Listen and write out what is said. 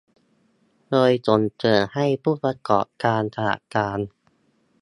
โดยส่งเสริมให้ผู้ประกอบการขนาดกลาง